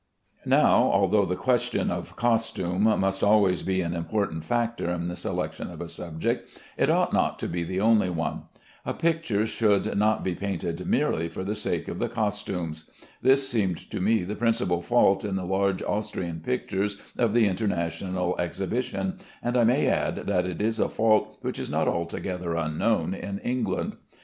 Now, although the question of costume must always be an important factor in the selection of a subject, it ought not to be the only one. A picture should not be painted merely for the sake of the costumes. This seemed to me the principal fault in the large Austrian pictures of the International Exhibition; and I may add that it is a fault which is not altogether unknown in England.